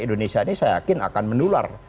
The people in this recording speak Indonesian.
indonesia ini saya yakin akan menular